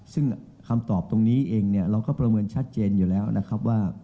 ซึ่งคำตอบตรงนี้เองเนี่ยเราก็ประเมินชัดเจนอยู่แล้วนะครับว่า